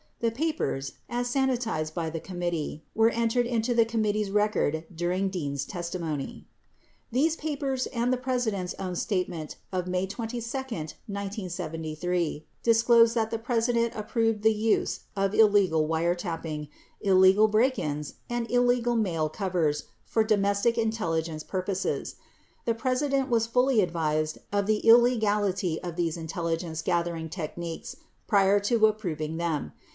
18 The papers, as sanitized by the committee, were entered into the committee's record during Dean's testimony. 19 These papers and the President's own statement of May 22, 1973, disclose that the President approved the use of illegal wiretapping, il legal break ins and illegal mail covers for domestic intelligence pur poses. The President was fully advised of the illegality of these intel ligence gathering techniques prior to approving them.